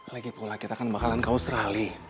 lagipula kita kan bakalan ke australia